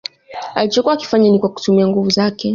Alichokuwa akifanya ni kwa kutumia nguvu zake